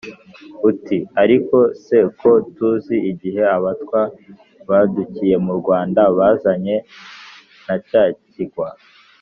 uti: “ariko se ko tuzi igihe abatwa badukiye mu rwanda bazanye na cya kigwa,